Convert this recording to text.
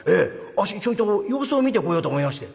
あっしちょいと様子を見てこようと思いまして」。